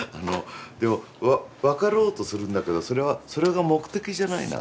でも分かろうとするんだけどそれはそれが目的じゃないなっていう気はする。